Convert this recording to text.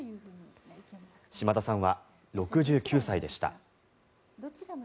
島田さんは６９歳でした。